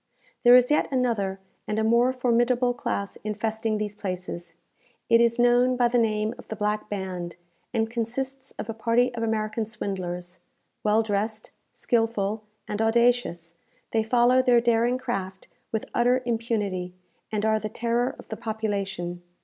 There is yet another and a more formidable class infesting these places. It is known by the name of the Black Band, and consists of a party of American swindlers. Well dressed, skilful, and audacious, they follow their daring craft with utter impunity, and are the terror of the population.